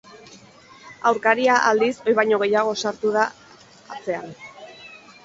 Aurkaria, aldiz, ohi baino gehiago sartu da atzean.